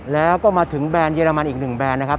แล้วก็มาถึงแบรนด์เรมันอีกหนึ่งแบรนด์นะครับ